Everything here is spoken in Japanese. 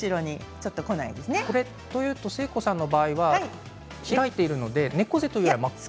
誠子さんの場合は開いているので猫背というよりも。